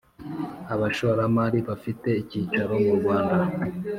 abashoramari bafite icyicaro mu rwanda